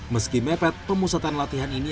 meski mepet pemusatan latihan ini